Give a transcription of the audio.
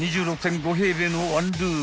［２６．５平米の１ルーム］